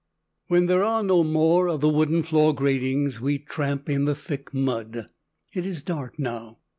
When there are no more of the wooden floor gratings, we tramp in the thick mud. It is dark now.